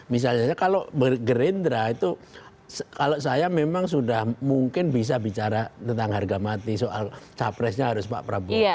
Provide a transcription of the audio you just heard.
misalnya kalau gerindra itu kalau saya memang sudah mungkin bisa bicara tentang harga mati soal capresnya harus pak prabowo